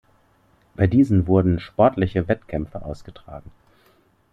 Bei diesen wurden sportliche Wettkämpfe ausgetragen.